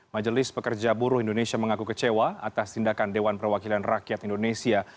majelis pekerja buruh indonesia mengaku kecewa atas tindakan dewan perwakilan rakyat indonesia